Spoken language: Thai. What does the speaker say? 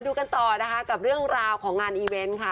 ดูกันต่อนะคะกับเรื่องราวของงานอีเวนต์ค่ะ